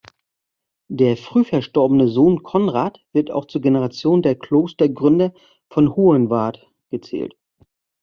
Der früh verstorbene Sohn "Konrad" wird auch zur Generation der Klostergründer von Hohenwart gezählt.